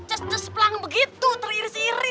cus cus pelang begitu teriri siri